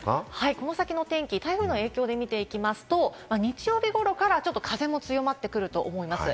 この先の天気、台風の影響で見ていきますと、日曜日頃からちょっと風も強まってくると思います。